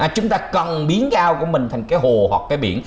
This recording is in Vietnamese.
chúng ta cần biến cái ao của mình thành cái hồ hoặc cái biển